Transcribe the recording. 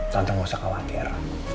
tante gak usah khawatir